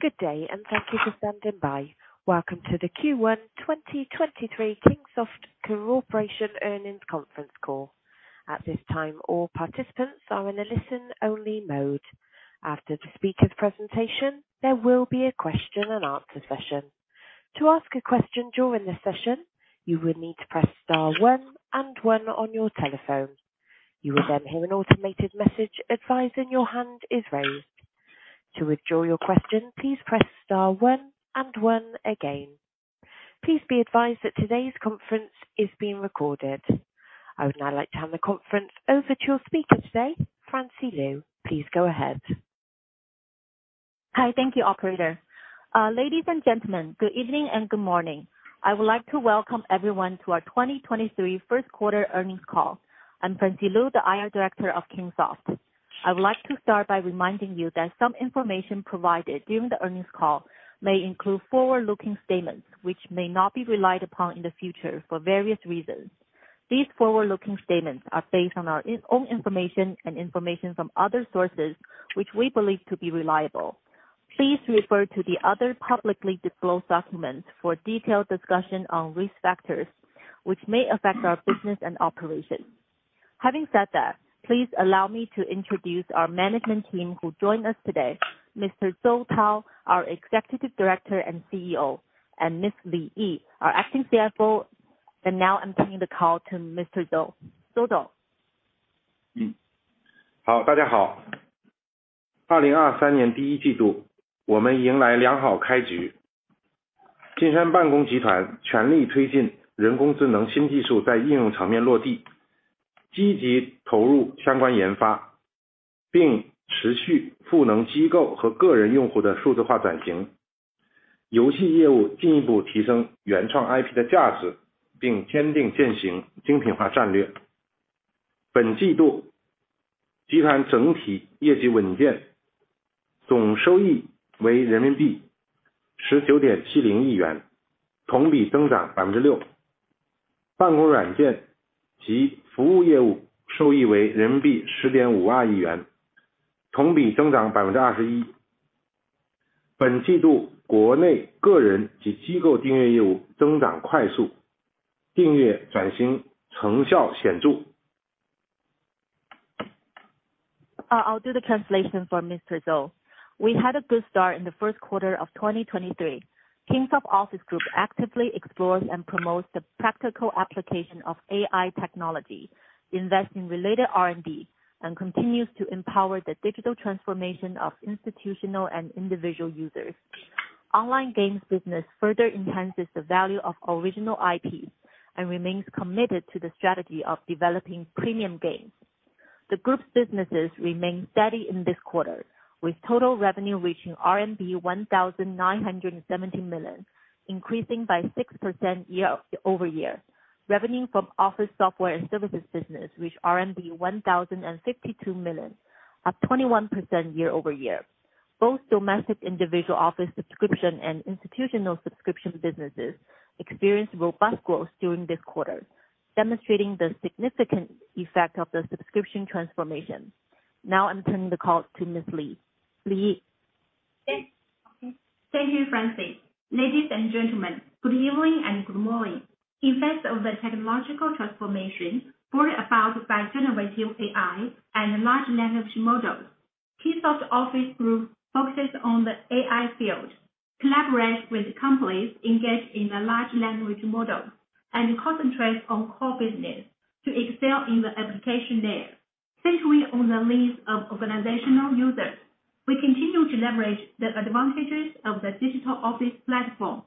Good day, thank you for standing by. Welcome to the Q1 2023 Kingsoft Corporation Earnings Conference Call. At this time, all participants are in a listen-only mode. After the speaker presentation, there will be a question and answer session. To ask a question during the session, you will need to press star one and one on your telephone. You will then hear an automated message advising your hand is raised. To withdraw your question, please press star one and one again. Please be advised that today's conference is being recorded. I would now like to hand the conference over to your speaker today, Francie Liu. Please go ahead. Hi. Thank you, Operator. Ladies and gentlemen, good evening and good morning. I would like to welcome everyone to our 2023 First Quarter Earnings Call. I'm Francie Liu, the IR director of Kingsoft. I would like to start by reminding you that some information provided during the earnings call may include forward-looking statements, which may not be relied upon in the future for various reasons. These forward-looking statements are based on our own information and information from other sources which we believe to be reliable. Please refer to the other publicly disclosed documents for detailed discussion on risk factors which may affect our business and operations. Having said that, please allow me to introduce our management team who join us today, Mr. Zou Tao, our Executive Director and CEO, and Ms. Li Yi, our Acting CFO, and now I'm turning the call to Mr. Zou. I'll do the translation for Mr. Zou. We had a good start in the first quarter of 2023. Kingsoft Office Group actively explores and promotes the practical application of AI technology, invest in related R&D, and continues to empower the digital transformation of institutional and individual users. Online games business further enhances the value of original IPs and remains committed to the strategy of developing premium games. The group's businesses remain steady in this quarter, with total revenue reaching RMB 1,970 million, increasing by 6% year-over-year. Revenue from office software and services business reached RMB 1,052 million, up 21% year-over-year. Both domestic individual office subscription and institutional subscription businesses experienced robust growth during this quarter, demonstrating the significant effect of the subscription transformation. Now I'm turning the call to Ms. Li. Li Yi. Thank you, Francie. Ladies and gentlemen, good evening and good morning. In face of the technological transformation brought about by generative AI and large language models, Kingsoft Office group focuses on the AI field, collaborates with companies engaged in the large language model and concentrates on core business to excel in the application there. Since we own a list of organizational users, we continue to leverage the advantages of the digital office platform,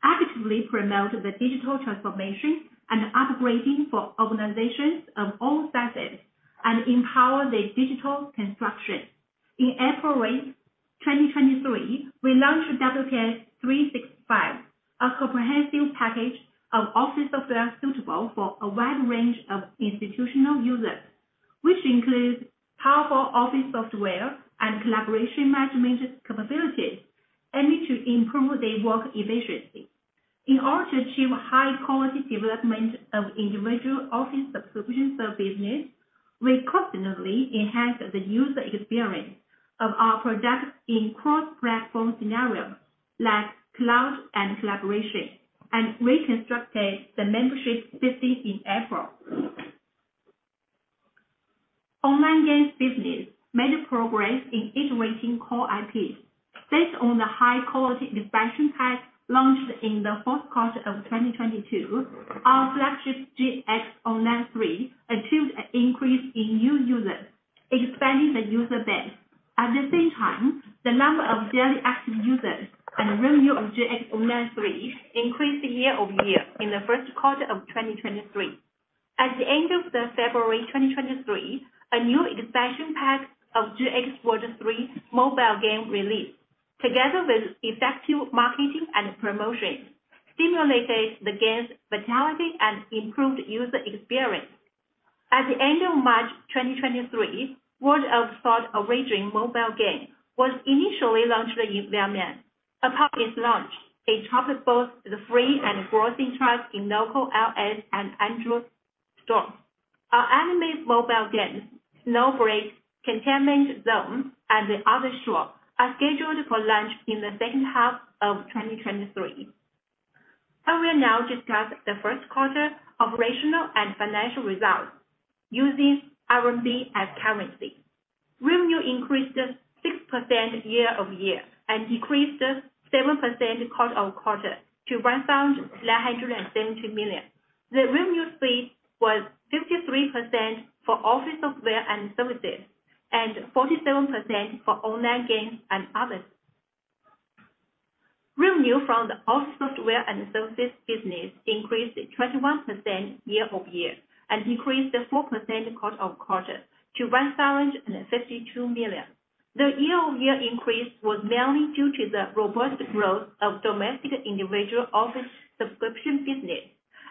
actively promote the digital transformation and upgrading for organizations of all sizes and empower the digital construction. In April 2023, we launched WPS 365, a comprehensive package of office software suitable for a wide range of institutional users. Which includes powerful office software and collaboration management capabilities aiming to improve their work efficiency. In order to achieve high quality development of individual office subscription service, we constantly enhance the user experience of our product in cross-platform scenario like cloud and collaboration, and reconstructed the membership system in April. Online games business made progress in iterating core IPs. Based on the high quality expansion pack launched in the fourth quarter of 2022, our flagship JX Online 3 achieved an increase in new users, expanding the user base. At the same time, the number of daily active users and revenue of JX Online 3 increased year-over-year in the first quarter of 2023. At the end of February 2023, a new expansion pack of JX World 3 mobile game released. Together with effective marketing and promotion, stimulated the game's vitality and improved user experience. At the end of March 2023, World of Sword Origin mobile game was initially launched in Myanmar. Upon its launch, it topped both the free and grossing charts in local iOS and Android stores. Our anime mobile game, Snowbreak: Containment Zone and the other Revenue from the office software and services business increased 21% year-over-year and increased 4% quarter-on-quarter to 1,052 million. The year-over-year increase was mainly due to the robust growth of domestic individual office subscription business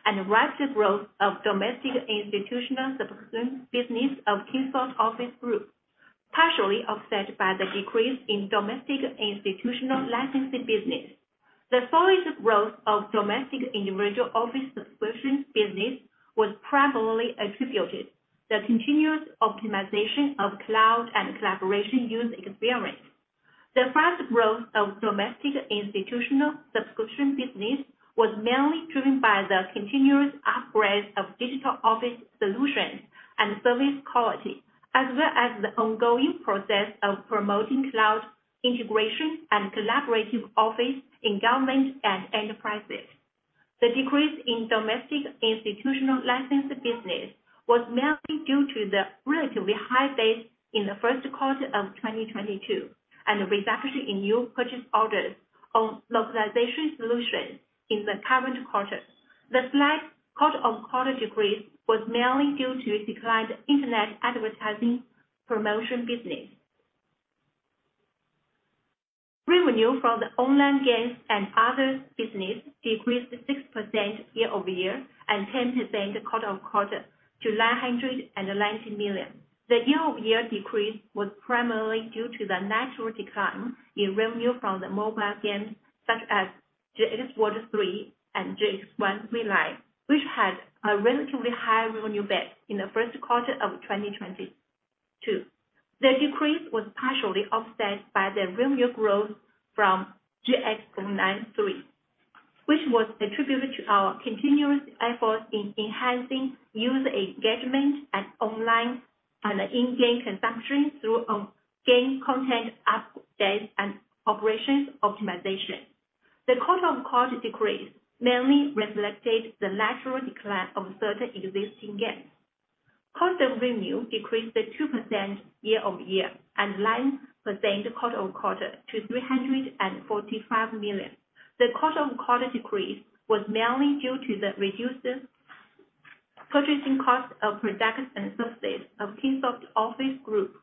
and rapid growth of domestic institutional subscription business of Kingsoft Office Group, partially offset by the decrease in domestic institutional licensing business. The solid growth of domestic individual office subscriptions business was primarily attributed to the continuous optimization of cloud and collaboration user experience. The fast growth of domestic institutional subscription business was mainly driven by the continuous upgrade of digital office solutions and service quality, as well as the ongoing process of promoting cloud integration and collaborative office in government and enterprises. The decrease in domestic institutional licensed business was mainly due to the relatively high base in the first quarter of 2022 and the reduction in new purchase orders on localization solutions in the current quarter. The slight quarter-on-quarter decrease was mainly due to a declined internet advertising promotion business. Revenue from the online games and other business decreased 6% year-over-year and 10% quarter-on-quarter to 990 million. The year-over-year decrease was primarily due to the natural decline in revenue from the mobile games such as JX World 3 and JX1 Mobile, which had a relatively high revenue base in the first quarter of 2022. The decrease was partially offset by the revenue growth from JX Online 3, which was attributed to our continuous efforts in enhancing user engagement and online and in-game consumption through game content updates and operations optimization. The quarter-on-quarter decrease mainly reflected the natural decline of certain existing games. Cost of revenue decreased 2% year-over-year and 9% quarter-on-quarter to 345 million. The quarter-on-quarter decrease was mainly due to the reduced purchasing cost of products and services of Kingsoft Office Group.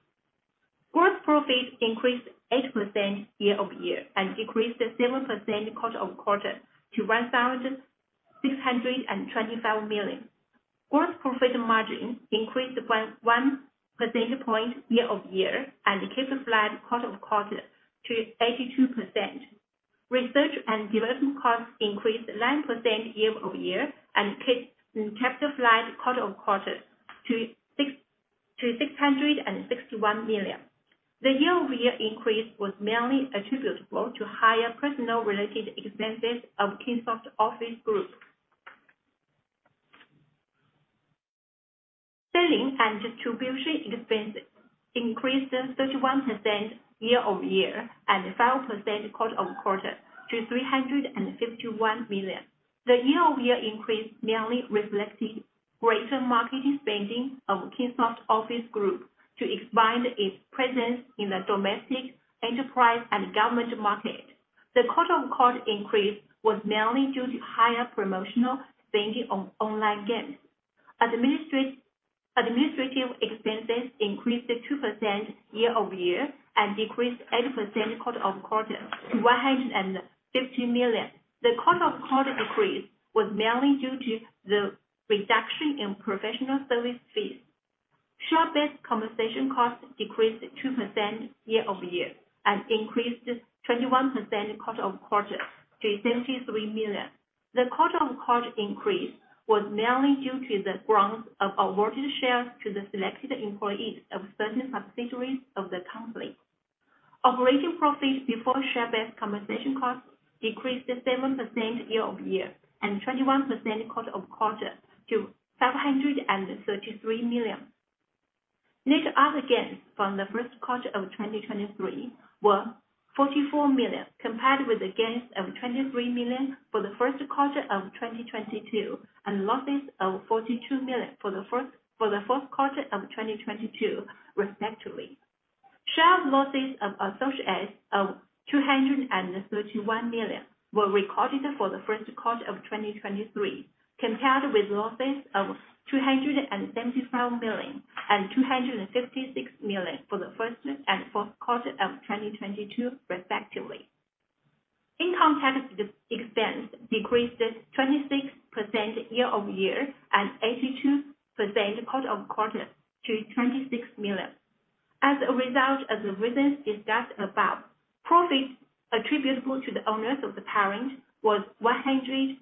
Gross profit increased 8% year-over-year and decreased 7% quarter-on-quarter to 1,625 million. Gross profit margin increased by 1 percentage point year-over-year and kept flat quarter-on-quarter to 82%. Research and development costs increased 9% year-over-year and kept flat quarter-on-quarter to 661 million. The year-over-year increase was mainly attributable to higher personnel related expenses of Kingsoft Office Group. Selling and distribution expenses increased 31% year-over-year and 5% quarter-on-quarter to 351 million. The year-over-year increase mainly reflects the greater marketing spending of Kingsoft Office Group to expand its presence in the domestic enterprise and government market. The quarter-on-quarter increase was mainly due to higher promotional spending on online games. Administrative expenses increased 2% year-over-year and decreased 8% quarter-on-quarter to 150 million. The quarter-on-quarter decrease was mainly due to the reduction in professional service fees. Share-based compensation costs decreased 2% year-over-year and increased 21% quarter-on-quarter to RMB 73 million. The quarter-on-quarter increase was mainly due to the grant of awarded shares to the selected employees of certain subsidiaries of the company. Operating profits before share-based compensation costs decreased 7% year-over-year and 21% quarter-on-quarter to 533 million. Net other gains from the first quarter of 2023 were 44 million, compared with the gains of 23 million for the first quarter of 2022, and losses of 42 million for the fourth quarter of 2022 respectively. Share losses of associates of 231 million were recorded for the first quarter of 2023, compared with losses of 275 million and 256 million for the first and fourth quarter of 2022 respectively. Income tax ex-expense decreased 26% year-over-year and 82% quarter-on-quarter to 26 million. As a result of the reasons discussed above, profits attributable to the owners of the parent was 192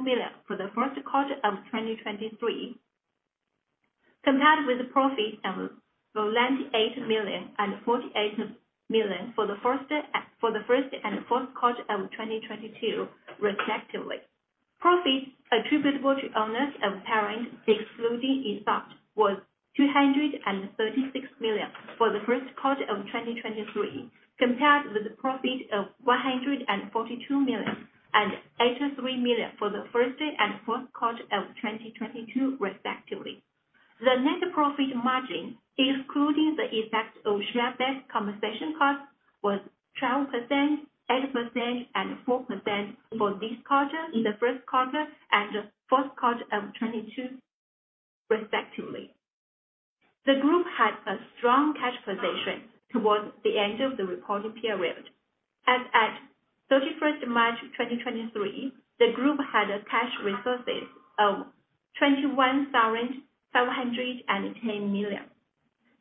million for the first quarter of 2023, compared with the profit of 98 million and 48 million for the first and fourth quarter of 2022, respectively. Profits attributable to owners of parent, excluding interest, was 236 million for the first quarter of 2023 compared with a profit of 142 million and 83 million for the first day and fourth quarter of 2022, respectively. The net profit margin, including the effect of share-based compensation cost, was 12%, 8%, and 4% for this quarter in the first quarter and the fourth quarter of 2022, respectively. The group had a strong cash position towards the end of the reporting period. As at March 31st, 2023, the group had a cash resources of 21,710 million.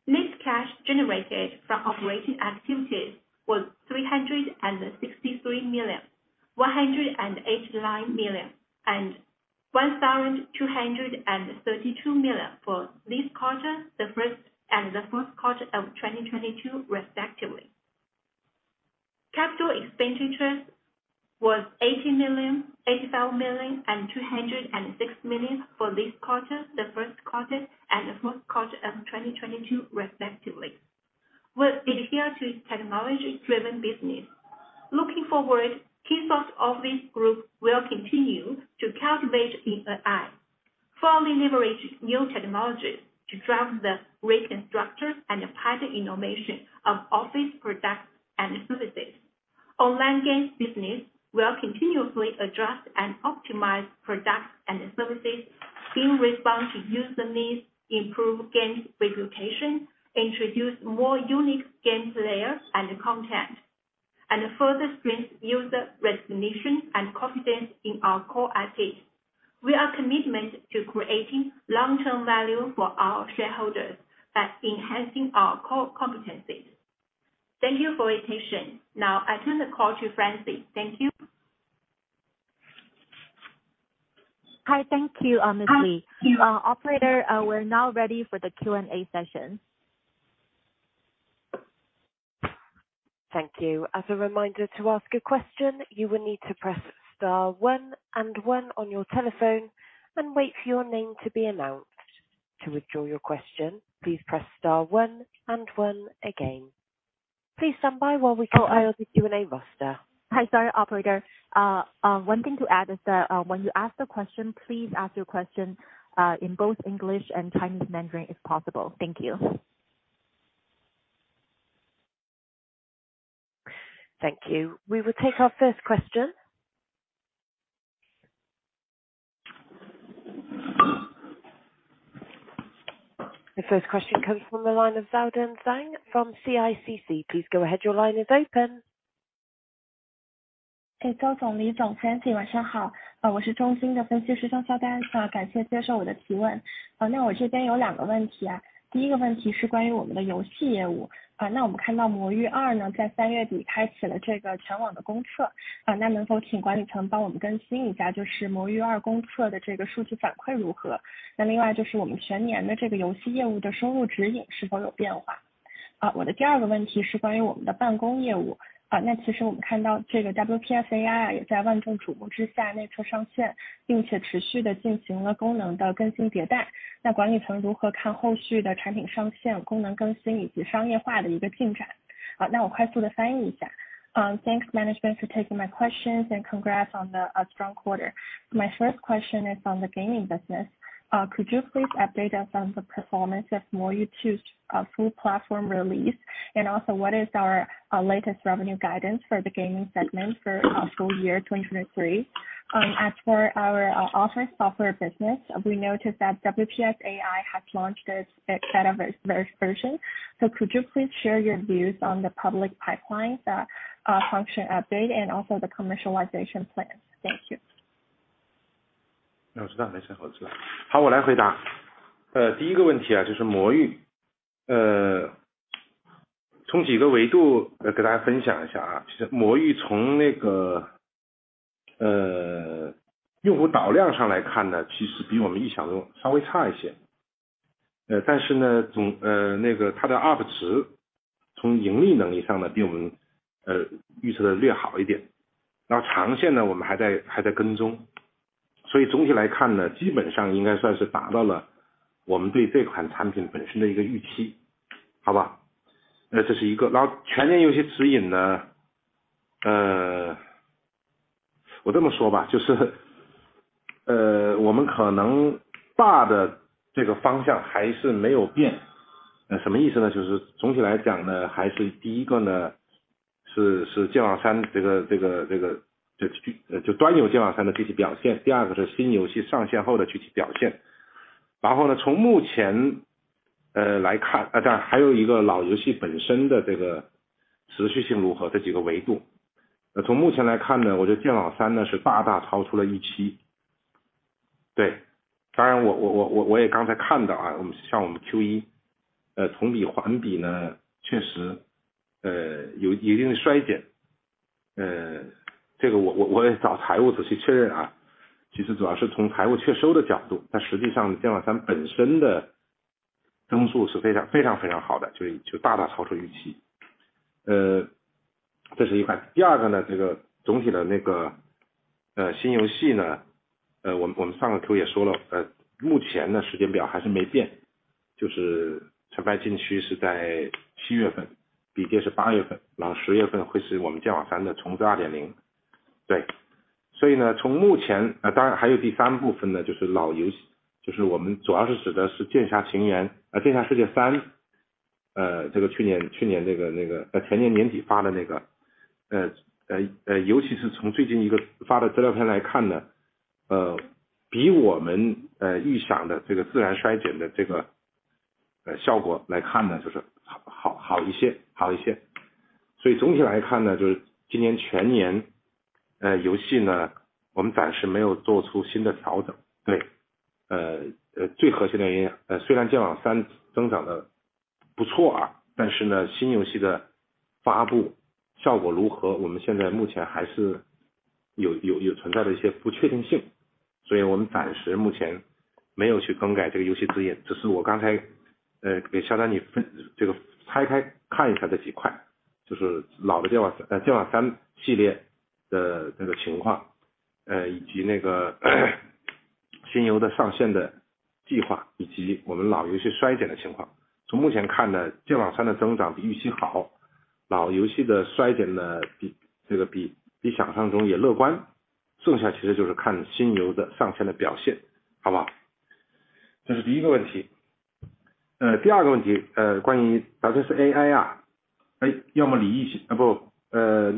Net cash generated from operating activities was 363 million, 189 million, and 1,232 million for this quarter, the first and the fourth quarter of 2022 respectively. Capital expenditures was 80 million, 85 million, and 206 million for this quarter, the first quarter and the fourth quarter of 2022 respectively. We adhere to technology-driven business. Looking forward, Kingsoft Office Group will continue to cultivate in AI, fully leverage new technologies to drive the restructure and pilot innovation of Office products and services. Online games business will continuously adjust and optimize products and services in response to user needs, improve games reputation, introduce more unique games layer and content, and further strengthen user recognition and confidence in our core IP. We are commitment to creating long-term value for our shareholders by enhancing our core competencies. Thank you for your attention. Now I turn the call to Francie. Thank you. Hi, thank you, Ms. Li. Thank you. Operator, we're now ready for the Q&A session. Thank you. As a reminder, to ask a question, you will need to press star one and one on your telephone and wait for your name to be announced. To withdraw your question, please press star one and one again. Please stand by while we go over the Q&A roster. Hi, sorry, operator. One thing to add is that, when you ask the question, please ask your question, in both English and Chinese Mandarin if possible. Thank you. Thank you. We will take our first question. The first question comes from the line of Xiaodan Zhang from CICC. Please go ahead. Your line is open. 晚上 好， 我是 CICC 的分析师 Xiaodan Zhang。感谢接受我的提问。那我这边有两个问题。第一个问题是关于我们的游戏业务，那我们看到 Eudemon 2 呢， 在三月底开启了这个全网的公 测， 那能否请管理层帮我们更新一 下， 就是 Eudemon 2公测的这个数据反馈如 何？ 那另外就是我们全年的这个游戏业务的收入指引是否有变 化？ 我的第二个问题是关于我们的办公业务，那其实我们看到这个 WPS AI 也在万众瞩目之下内测上 线， 并且持续地进行了功能的更新迭代。那管理层如何看后续的产品上线、功能更新以及商业化的一个进 展？ 好， 那我快速地翻译一下。Thanks management for taking my questions and congrats on the strong quarter. My first question is on the gaming business. Could you please update us on the performance of Moyu 2, full platform release? What is our latest revenue guidance for the gaming segment for full year 2023? As for our office software business, we noticed that WPS AI has launched its beta version. Could you please share your views on the public pipeline, the function update and also the commercialization plans? Thank you. 我知 道， 没 事， 我知 道. 我来回 答. 第一个问题就是魔 域. 从几个维度给大家分享一 下. 魔域从那个用户导量上来看 呢， 其实比我们预想的稍微差一 些， 呢， 总那个它的 ARPU 值， 从盈利能力上 呢， 比我们预测的略好一 点， 长线 呢， 我们还在跟 踪. 总体来看 呢， 基本上应该算是达到了我们对这款产品本身的一个预 期， 好 吧， 那这是一 个. 全年游戏指引 呢， 我这么说 吧， 就是我们可能大的这个方向还是没有 变. 什么意思 呢? 就是总体来讲 呢， 还是第一个 呢， 是 JX Online 3这个就端游 JX Online 3的具体表 现， 第二个是新游戏上线后的具体表 现. 从目前来 看， 当然还有一个老游戏本身的这个哎，好的好 的， 好 的， 没问题。I'll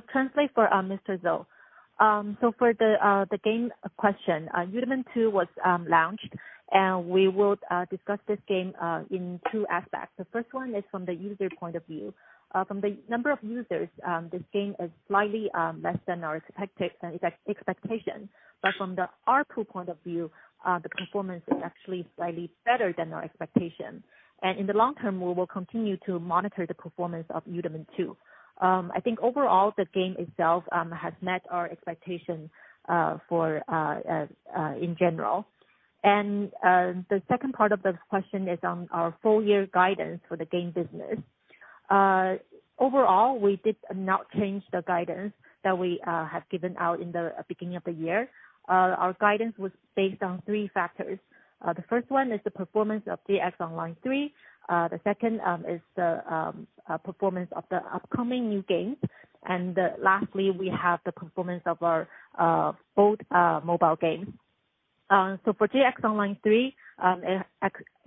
translate for our Mr. Zou. For the game question, Eudemon 2 was launched, we will discuss this game in two aspects. The first one is from the user point of view. From the number of users, this game is slightly less than our expectation, but from the ARPU point of view, the performance is actually slightly better than our expectation. In the long term, we will continue to monitor the performance of Eudemon 2. I think overall the game itself has met our expectations in general. The second part of the question is on our full year guidance for the game business. Overall, we did not change the guidance that we have given out in the beginning of the year. Our guidance was based on three factors. The first one is the performance of the JX Online 3. The second is the performance of the upcoming new games. Lastly, we have the performance of our both mobile games. For JX Online 3, it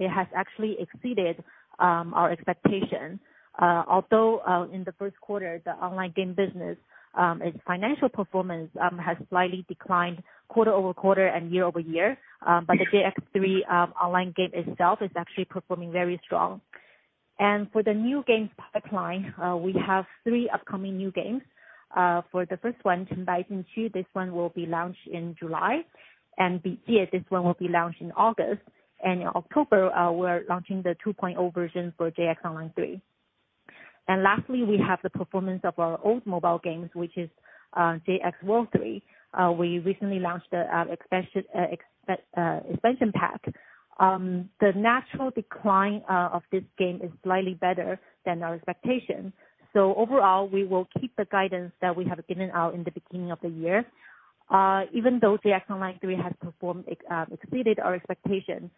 has actually exceeded our expectations. Although, in the first quarter, the online game business, its financial performance has slightly declined quarter-over-quarter and year-over-year, but the JX3 online game itself is actually performing very strong. For the new games pipeline, we have three upcoming new games. For the first one, Chen Bai Ching 2, this one will be launched in July. BIE, this one will be launched in August. In October, we're launching the 2.0 version for JX Online 3. Lastly, we have the performance of our old mobile games, which is JX World 3. We recently launched a expansion pack. The natural decline of this game is slightly better than our expectations. Overall, we will keep the guidance that we have given out in the beginning of the year, even though JX Online 3 has performed, exceeded our expectations,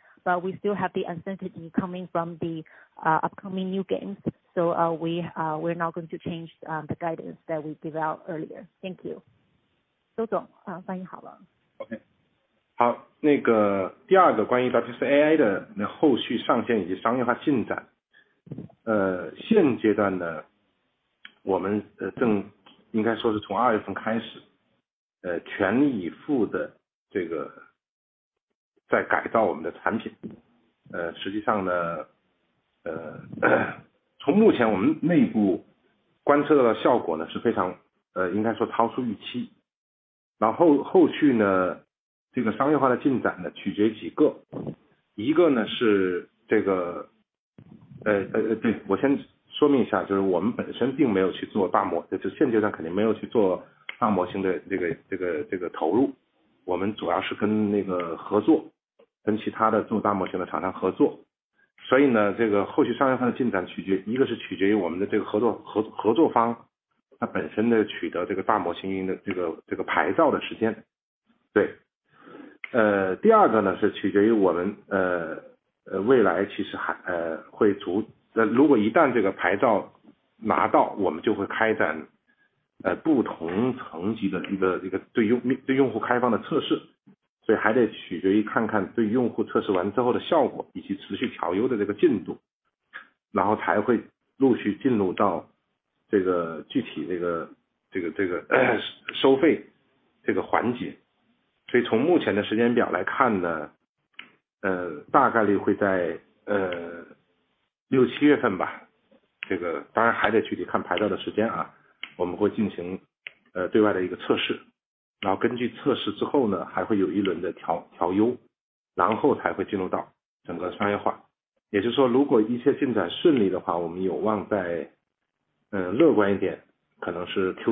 we still have the uncertainty coming from the upcoming new games. We're not going to change the guidance that we give out earlier. Thank you. 周 总， 翻译好 了. OK. 好, 那个 second regarding AIA's subsequent launch and commercialization progress. 现阶段 呢, we should say that from February onwards, fully committed to transforming our products. 实际上 呢, from our current internal observations, the results are very, should be said to exceed expectations. 后续 呢, 这个 commercialization progress 呢, depends on several factors. 一个呢是这 个, let me first clarify, that we ourselves did not do 大 模, that currently we definitely did not invest in 大模型的这个投 入. We mainly cooperate with 那 个, cooperate with other 大模型的厂 商. 这个后续 commercialization progress depends on, one is dependent on our 这个合 作, 合作方 itself obtaining this 大模型的这个牌照的时 间. 对. 第二个 呢, depends on us, 未来其实 还, if once this license is obtained, we will launch, 不同层级的一 个, 这个对用户开放的测 试. 还得取决于看看对用户测试完之后的效 果, 以及持续调优的这个进 度, 才会陆续进入到这个具体的收费环 节. 从目前的时间表来看 呢, Okay, I'll translate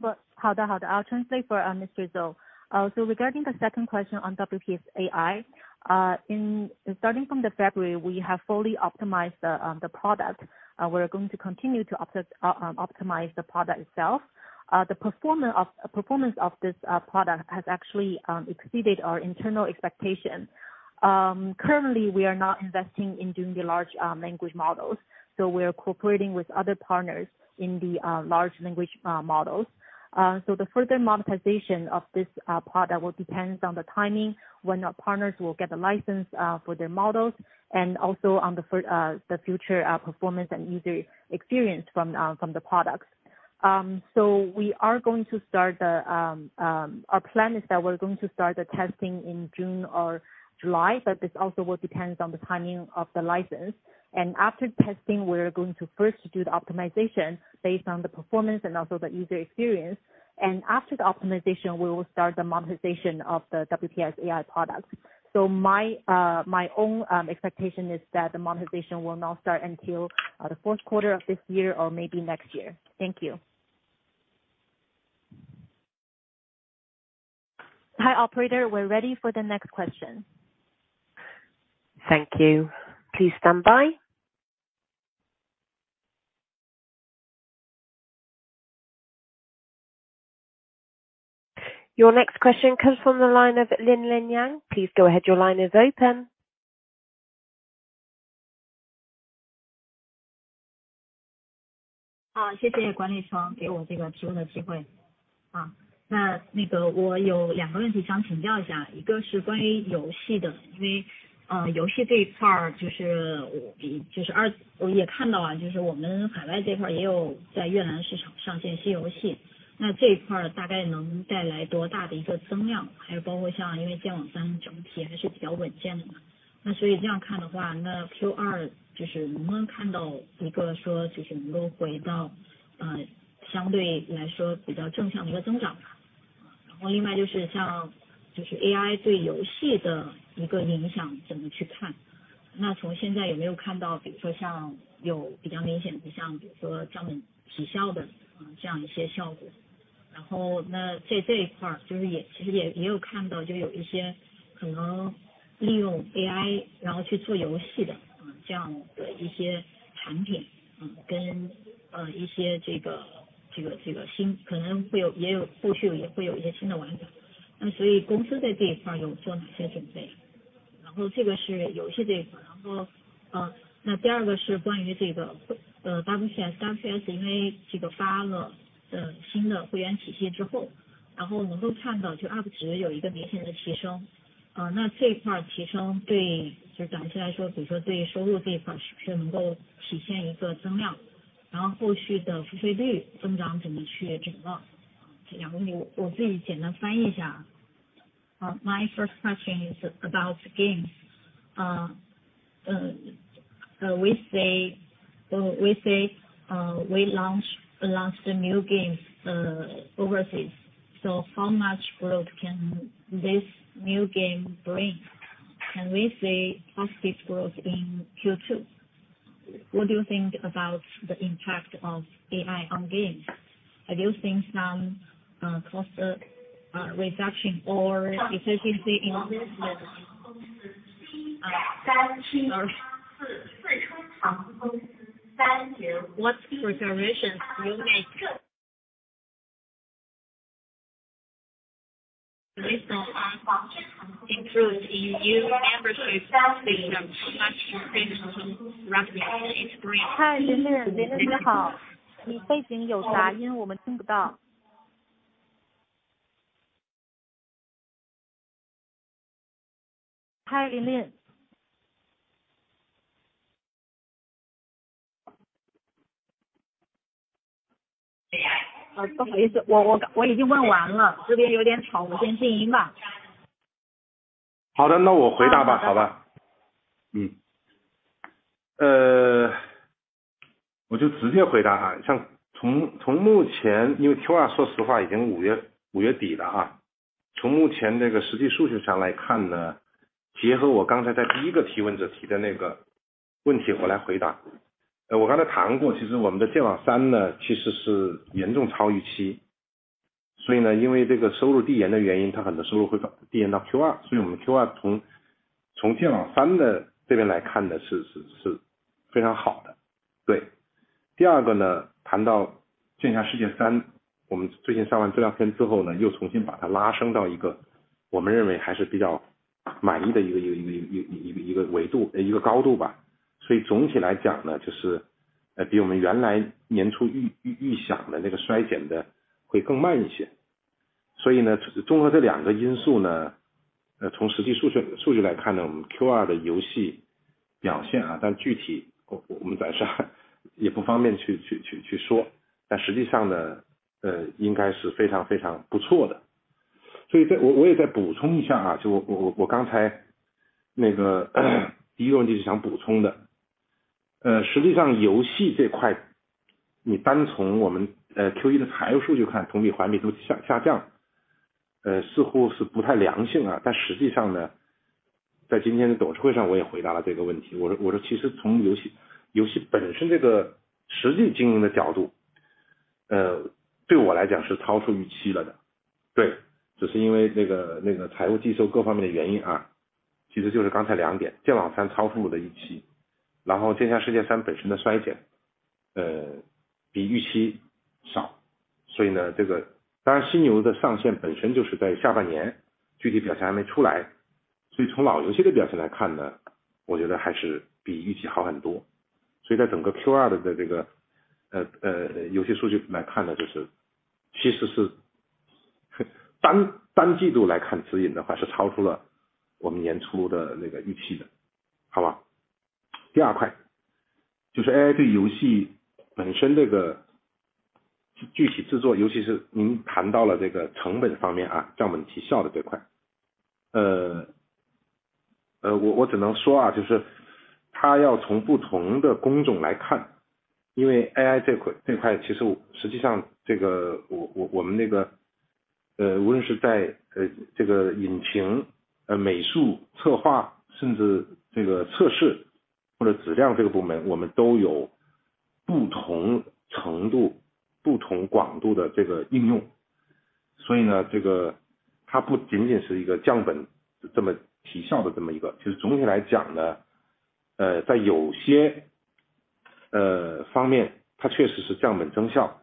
for, 好的好 的, I'll translate for Mr. Zou. Regarding the second question on WPS AI, in starting from February we have fully optimized the product, we're going to continue to optimize the product itself. The performance of this product has actually exceeded our internal expectation. Currently, we are not investing in doing the large language models, we are cooperating with other partners in the large language models. The further monetization of this product will depends on the timing when our partners will get the license for their models, and also on the future performance and user experience from the products. We are going to start the our plan is that we're going to start the testing in June or July, but this also will depends on the timing of the license. After testing, we're going to first do the optimization based on the performance and also the user experience. After the optimization, we will start the monetization of the WPS AI products. My own expectation is that the monetization will not start until the fourth quarter of this year or maybe next year. Thank you. Hi operator, we're ready for the next question. Thank you. Please stand by. Your next question comes from the line of Linlin Yang. Please go ahead, your line is open. 啊谢谢管理层给我这个提供的机会。啊， 那那个我有两个问题想请教一 下， 一个是关于游戏 的， 因为呃游戏这一块 儿， 就是 比， 就是 二， 我也看到 啊， 就是我们海外这块也有在越南市场上线新游 戏， 那这一块大概能带来多大的一个增 量， 还有包括像因为健网三整体还是比较稳健 的， 那所以这样看的 话， 那 Q 二就是能不能看到一个说就是能够回到呃相对来说比较正常的一个增长吧。然后另外就是像就是 AI 对游戏的一个影响怎么去 看， 那从现在有没有看 到， 比如说像有比较明显 的， 像比如说像体效的这样一些效 果， 然后那在这一块就是也其实也也有看 到， 就有一些可能利用 AI 然后去做游戏的这样的一些产 品， 跟呃一些这 个， 这 个， 这个 新， 可能会 有， 也 有， 后续也会有一些新的玩 法， 那所以公司在这一块有做哪些准 备？ 然后这个是游戏这一块。然后 呃， 那第二个是关于这 个， 呃 ，WPS，WPS 因为这个发了新的会员体系之 后， 然后能够看到就 R 值有一个明显的提 升， 啊那这一块的提升对就长期来 说， 比如说对收入这一块是不是能够体现一个增 量， 然后后续的付费率增长怎么去展望。这两个 我， 我自己简单翻译一下。My first question is about games. We say we launch the new games overseas. How much growth can this new game bring? Can we see positive growth in Q2? What do you think about the impact of AI on games? I do think some cost reduction or efficiency investment. 嗨， 林 林， 林林你 好， 你背景有杂 音， 我们听不到。嗨， 林林。不好意 思， 我已经问完 了， 这边有点 吵， 我先静音吧。好 的， 那我回答吧。好. 好吧。嗯。呃， 我就直接回答哈。像 从， 从目 前， 因为 Q 二说实话已经五 月， 五月底了 啊， 从目前这个实际数据上来看 呢， 结合我刚才在第一个提问者提的那个问 题， 我来回答。我刚才谈 过， 其实我们的剑网三 呢， 其实是严重超预 期， 所以 呢， 因为这个收入递延的原 因， 它很多收入会递延到 Q 二， 所以我们 Q 二 从， 从剑网三的这边来看 呢， 是-是-是非常好的。对。第二个 呢， 谈到剑侠世界 三， 我们最近上完资料片之后 呢， 又重新把它拉升到一个我们认为还是比较满意的一个营收。一-一个维 度， 一个高度吧。所以总体来讲 呢， 就是 呃， 比我们原来年初预-预想的那个衰减的会更慢一些。所以 呢， 综合这两个因素 呢， 从实际数 据， 数据来看 呢， 我们 Q2 的游戏表现 啊， 但具体我-我们暂时也不方便去-去-去 说， 但实际上 呢， 呃， 应该是非常非常不错的。所以这我-我也再补充一下 啊， 就我-我刚才那个第一轮就想补充的， 呃， 实际上游戏这 块， 你单从我们呃 ，Q1 的财务数据 看， 同比环比都下-下 降， 呃， 似乎是不太良性 啊， 但实际上 呢， 在今天的董事会上我也回答了这个问 题， 我-我说其实从游 戏， 游戏本身这个实际经营的角 度， 呃， 对我来讲是超出预期了的。对， 只是因为这 个， 那个财务计收各方面的原因 啊， 其实就是刚才两 点， 电网三超出了我的预期，然后剑侠世界三本身的衰 减， 呃， 比预期少。所以 呢， 这个当然新游的上线本身就是在下半 年， 具体表现还没出 来， 所以从老游戏的表现来看 呢， 我觉得还是比预期好很多。所以在整个 Q2 的这个呃- 呃， 游戏数据来看 呢， 就是其实是 单， 单季度来看指引的 话， 是超出了我们年初的那个预期的。好吧。第二块就是 AI 对游戏本身这个具-具体制 作， 尤其是您谈到了这个成本方面 啊， 降本提效的这块。呃， 呃， 我-我只能说 啊， 就是它要从不同的工种来 看， 因为 AI 这 块， 这块其实实际上这个我-我-我们那 个， 呃， 无论是在 呃， 这个引 擎， 呃美术、策 划， 甚至这个测试或者质量这个部 门， 我们都有不同程 度， 不同广度的这个应用。所以 呢， 这个它不仅仅是一个降 本， 这么提效的这么一 个， 就是总体来讲 呢， 呃， 在有些 呃， 方 面， 它确实是降本增 效，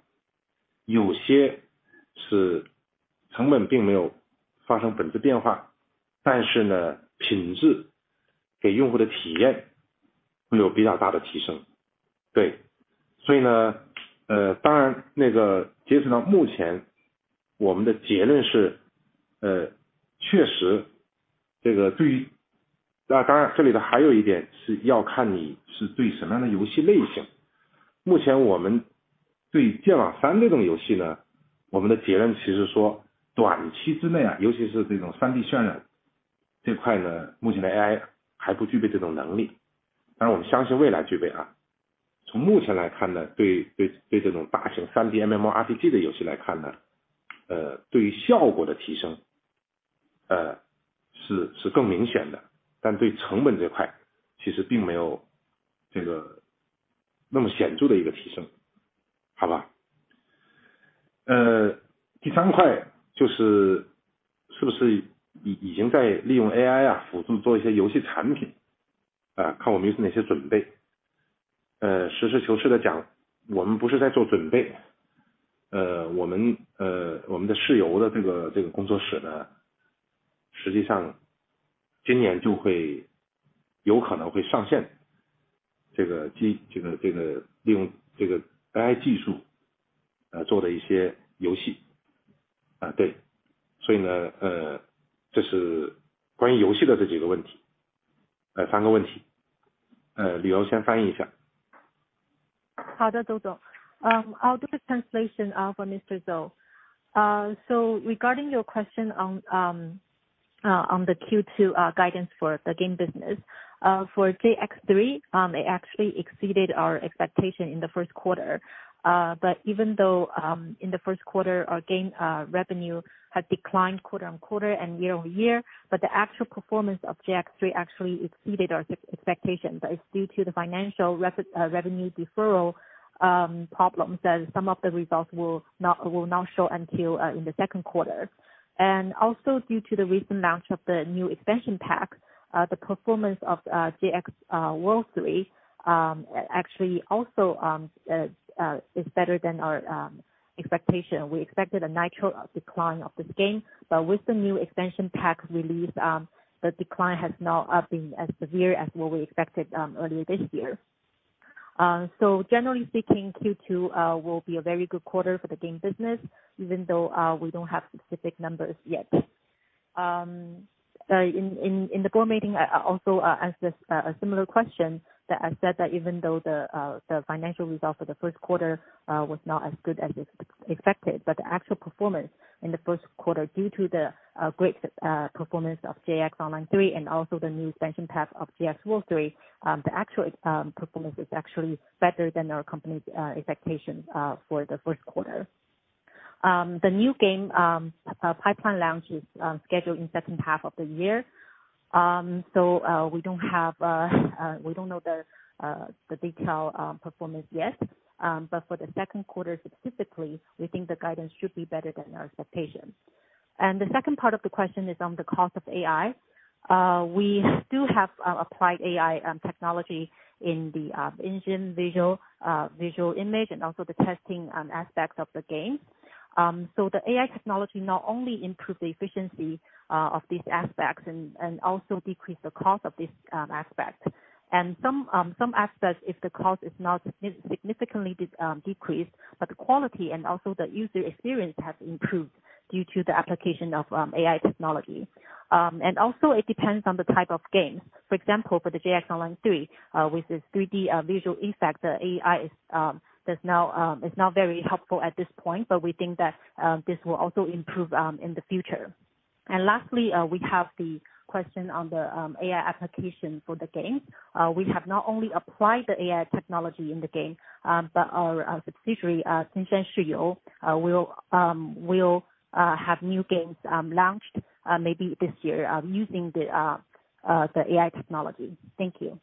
有些是成本并没有发生本质变 化， 但是 呢， 品质给用户的体验会有比较大的提升。对， 所以 呢， 呃， 当然那个截止到目 前， 我们的结论 是， 呃， 确实这个对 于， 那当然这里头还有一点是要看你是对什么样的游戏类型。目前我们对剑网三这种游戏 呢， 我们的结论其实说短期之内 啊， 尤其是这种 3D 渲染这块 呢， 目前的 AI 还不具备这种能力，但我们相信未来具备啊。从目前来看 呢， 对-对-对这种大型 3D MMORPG 的游戏来看 呢， 呃， 对于效果的提 升， 呃， 是-是更明显 的， 但对成本这块其实并没有这个那么显著的一个提升。好吧。呃， 第三块就是是不是已-已经在利用 AI 啊， 辅助做一些游戏产品， 啊， 看我们有哪些准备。呃， 实事求是地 讲， 我们不是在做准 备， 呃， 我 们， 呃， 我们的市游的这 个， 这个工作室 呢， 实际上今年就会有可能会上线这个 技， 这 个， 这个利用这个 AI 技术来做的一些游戏。啊 对， 所以 呢， 呃， 这是关于游戏的这几个问 题， 呃， 三个问 题， 呃， 刘洋先翻译一下。好的，Zhou Zong. I'll do the translation for Mr. Zou. Regarding your question on the Q2 guidance for the game business, for JX3, it actually exceeded our expectation in the first quarter. Even though, in the first quarter our game revenue had declined quarter-on-quarter and year-on-year, but the actual performance of JX3 actually exceeded our expectations, but it's due to the financial revenue deferral problems that some of the results will not show until in the second quarter. Also due to the recent launch of the new expansion pack, the performance of JX World 3 actually also is better than our expectation. We expected a natural decline of this game, but with the new expansion pack release, the decline has not been as severe as what we expected earlier this year. Generally speaking, Q2 will be a very good quarter for the game business even though we don't have specific numbers yet. In the board meeting, I also asked a similar question that I said that even though the financial results for the first quarter was not as good as expected, but the actual performance in the first quarter due to the great performance of JX Online 3 and also the new expansion pack of JX World 3, the actual performance is actually better than our company's expectations for the first quarter. The new game pipeline launch is scheduled in the second half of the year. We don't have, we don't know the detail performance yet, but for the second quarter specifically, we think the guidance should be better than our expectations. The second part of the question is on the cost of AI. We do have applied AI technology in the engine visual image and also the testing aspects of the game. The AI technology not only improve the efficiency of these aspects, and also decrease the cost of this aspect. Some aspects if the cost is not significantly decrease, but the quality and also the user experience have improved due to the application of AI technology. It depends on the type of games, for example, for the 3D visual effect AI is that now is now very helpful at this point, but we think that this will also improve in the future. Lastly, we have the question on the AI application for the games. We have not only apply the AI technology in the game, but our subsidiary will have new games launched maybe this year using the AI technology. Thank you.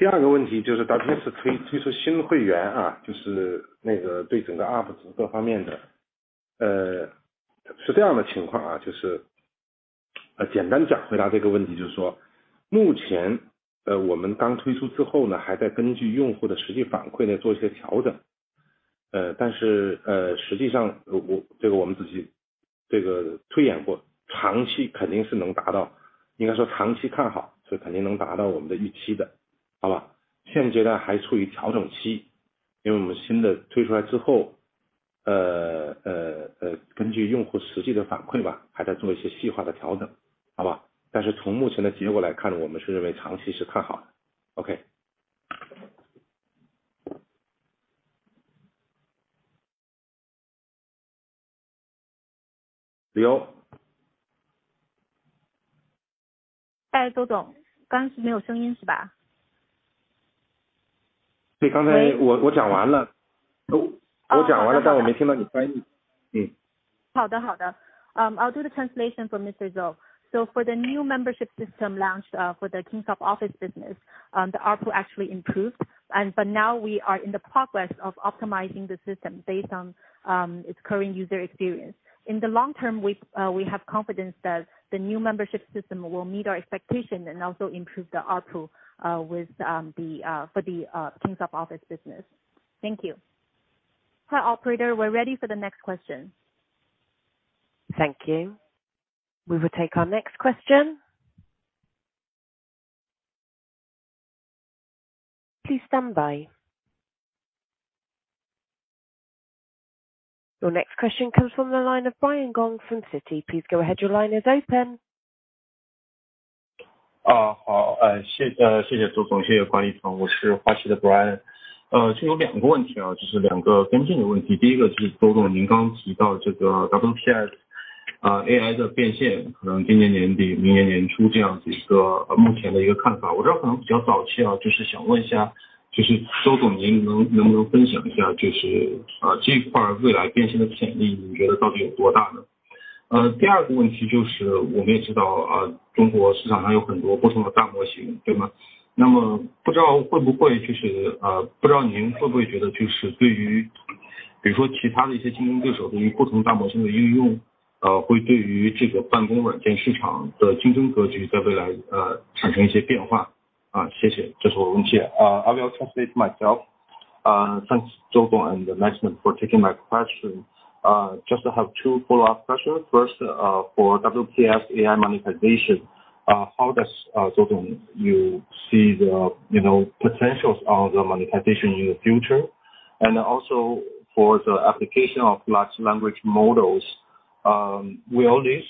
好，周总，翻译好了。第二个问题就是 WPS 推-推出新会员 啊， 就是那个对整个 UP 整个方面的。呃， 是这样的情况 啊， 就是简单讲回答这个问 题， 就是说目前 呃， 我们刚推出之后 呢， 还在根据用户的实际反馈来做一些调 整， 呃， 但是 呃， 实际上我-我这个我们自己这个推演 过， 长期肯定是能达 到， 应该说长期看 好， 所以肯定能达到我们的预期的，好吧。现阶段还处于调整 期， 因为我们新的推出来之 后， 呃， 呃， 呃， 根据用户实际的反馈 吧， 还在做一些细化的调 整， 好吧。但是从目前的结果来 看， 我们是认为长期是看好 ，OK。有。哎， 周 总， 刚刚是没有声音是吧？ 对， 刚才我-我讲完 了， 我讲完 了， 但我没听到你翻 译， 嗯。好 的， 好的。I'll do the translation for Mr. Zou. For the new membership system launch for the Kingsoft Office business, the ARPU actually improved. Now we are in the progress of optimizing the system based on its current user experience. In the long term, we have confidence that the new membership system will meet our expectation and also improve the ARPU with the for the Kingsoft Office business. Thank you. Hi, operator, we're ready for the next question. Thank you. We will take our next question. Please stand by. Your next question comes from the line of Brian Gong from Citi. Please go ahead, your line is open. 好， 谢谢周 总， 谢谢管理层。我是 Citi 的 Brian。是有两个 问题， 就是两个跟进的问题。第一个是周总您刚刚提到这个 WPS AI 的 变现， 可能今年 年底， 明年年初这样子一个目前的一个 看法， 我这儿可能比较 早期， 就是想问 一下， 就是周总您能不能分享 一下， 就是这一块未来变现的潜力您觉得到底有多大 呢？ 第二个问题就是我们也 知道， 中国市场上有很多不同的大 模型， 对 吗？ 那么不知道会不会 就是， 不知道您会不会觉得就是对于比如说其他的一些 竞争对手， 对于不同大模型的 应用， 会对于这个办公软件市场的竞争格局在未来产生一些变化。谢谢， 这是我的问题。I will translate myself. Thanks 周总 and the management for taking my question. Just have two follow-up questions. First, for WPS AI monetization, how does 周总 you see the, you know, potentials of the monetization in the future? Also for the application of large language models, will this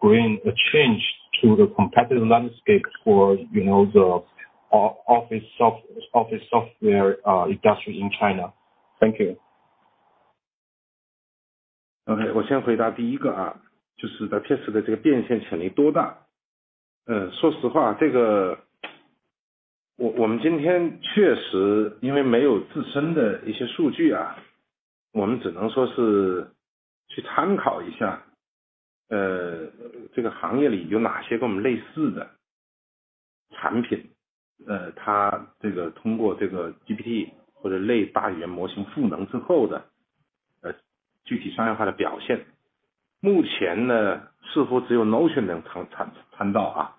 bring a change to the competitive landscape for you know the office software industry in China? Thank you. OK, 我先回答第1 个， 就是 WPS 的这个变现潜力多大。说实 话， 这个我们今天确实因为没有自身的一些数 据， 我们只能说是去参考一下这个行业里有哪些跟我们类似的产 品， 它这个通过这个 GPT 或者类 large language model 赋能之后的具体商业化的表现。目前 呢， 似乎只有 Notion 能看到。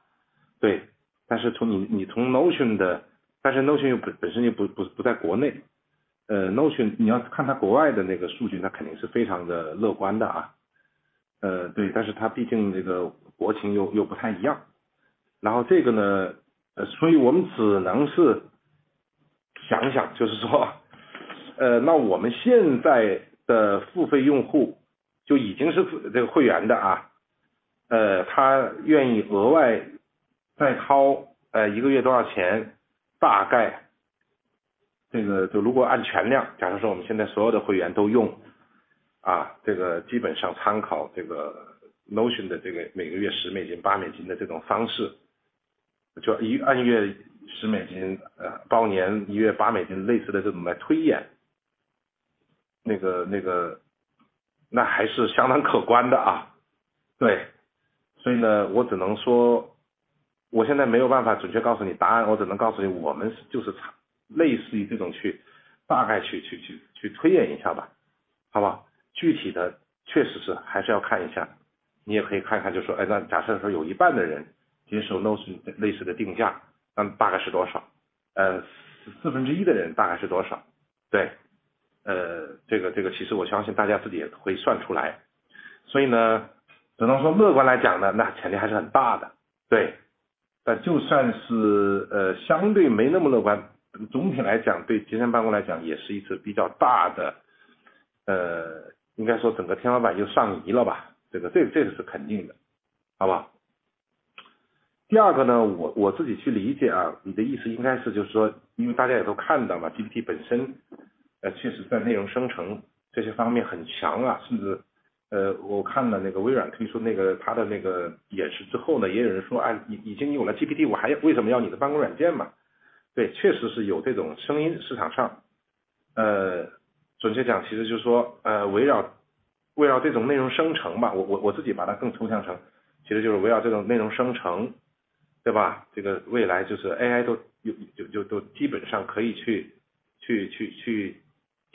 从你从 Notion 的， Notion 又本身就不在国 内， Notion 你要看它国外的那个数 据， 那肯定是非常的乐观的。它毕竟这个国情又不太一样。这个 呢， 我们只能是想一 想， 就是 说， 那我们现在的付费用户就已经是 付， 这个会员 的， 他愿意额外再 掏， 一个月多少 钱， 大概这个就如果按全 量， 假如说我们现在所有的会员都 用， 这个基本上参考这个 Notion 的这个每个月 $10、好 的.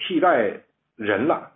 I'll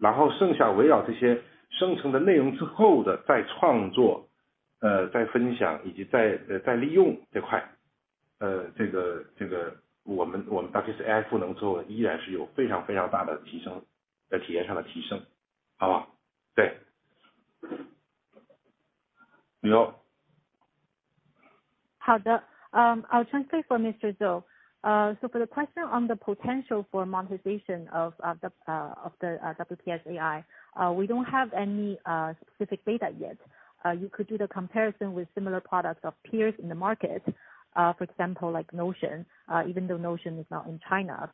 translate for Mr. Zou. For the question on the potential for monetization of the WPS AI. We don't have any specific data yet. You could do the comparison with similar products of peers in the market, for example, like Notion. Even though Notion is not in China,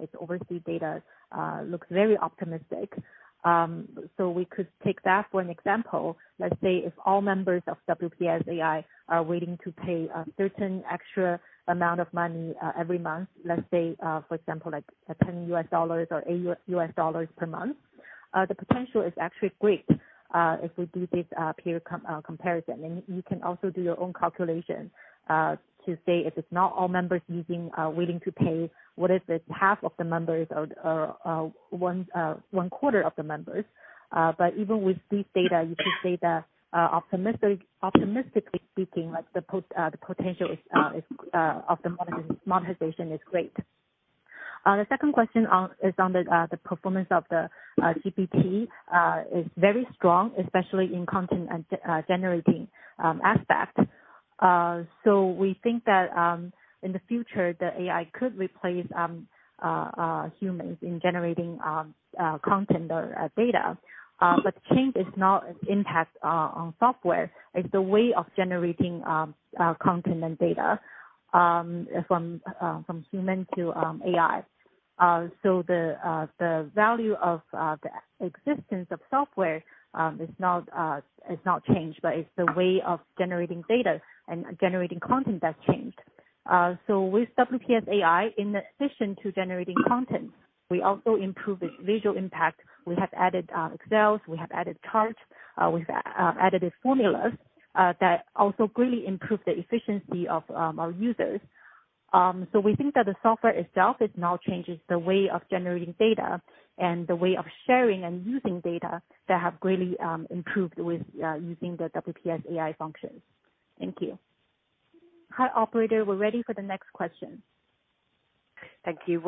its overseas data looks very optimistic. We could take that for an example. Let's say if all members of WPS AI are willing to pay a certain extra amount of money, every month, let's say, for example, like $10 or $8 per month, the potential is actually great, if we do this peer comparison. You can also do your own calculation to say if it's not all members using, willing to pay, what if it's half of the members or one quarter of the members. Even with these data, you can say that optimistically speaking, like the potential is of the monetization is great. The second question is on the performance of the GPT is very strong, especially in content and generating aspect. We think that in the future, the AI could replace humans in generating content or data, but change is not an impact on software, it's the way of generating content and data from human to AI. The value of the existence of software is not changed, but it's the way of generating data and generating content that changed. With WPS AI, in addition to generating content, we also improve the visual impact. We have added Excels, we have added charts, we've added formulas that also greatly improve the efficiency of our users. We think that the software itself is not changes the way of generating data and the way of sharing and using data that have greatly improved with using the WPS AI functions. Thank you. Hi operator. We're ready for the next question. Thank you.